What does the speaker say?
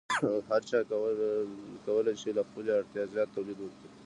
هر چا کولی شو له خپلې اړتیا زیات تولید وکړي.